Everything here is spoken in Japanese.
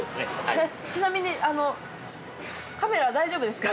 ちなみにカメラ大丈夫ですか？